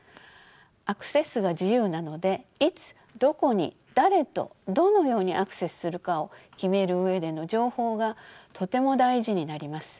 アクセスが自由なのでいつどこに誰とどのようにアクセスするかを決める上での情報がとても大事になります。